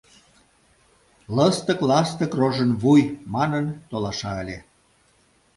Лыстык-ластык рожын вуй! — манын толаша ыле.